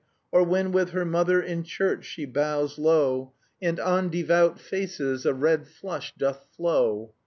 Or when with her mother in church she bows low And on devout faces a red flush doth flow!